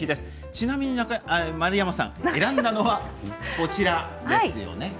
ちなみに丸山さん、選んだのはこちら、なんですよね？